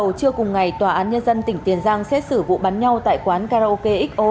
vào trưa cùng ngày tòa án nhân dân tỉnh tiền giang xét xử vụ bắn nhau tại quán karaoke xo